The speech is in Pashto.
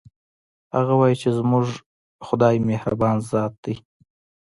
هغه وایي چې زموږ خدایمهربان ذات ده